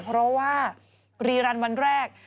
เพราะว่ารีรันวันแรก